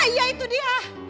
iya itu dia